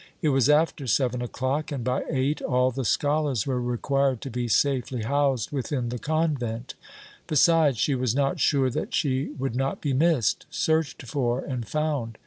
It was after seven o'clock, and by eight all the scholars were required to be safely housed within the convent. Besides, she was not sure that she would not be missed, searched for and found.